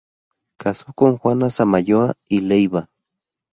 Casó con Juana Samayoa y Leiva.